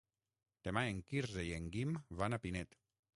Demà en Quirze i en Guim van a Pinet.